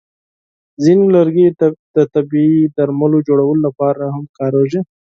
ځینې لرګي د طبیعي درملو جوړولو لپاره هم کارېږي.